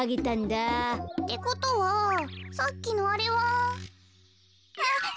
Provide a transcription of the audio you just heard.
ってことはさっきのあれは。